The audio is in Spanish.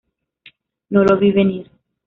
No lo vi venir.